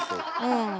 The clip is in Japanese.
うん。